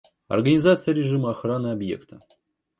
Организация режима охраны объекта